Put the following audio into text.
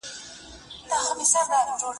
له ستوني تېر کړي وي